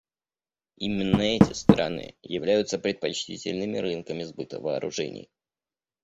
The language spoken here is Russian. Именно эти страны являются предпочтительными рынками сбыта вооружений.